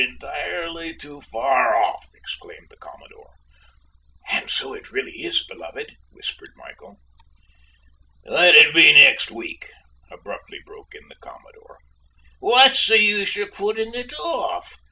Entirely too far off!" exclaimed the commodore. "And so it really is, beloved," whispered Michael. "Let it be next week," abruptly broke in the commodore. "What's the use of putting it off?